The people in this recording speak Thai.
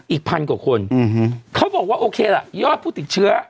อีกพันกว่าคนเขาบอกว่าโอเคล่ะยอดผู้ติดเชื้อ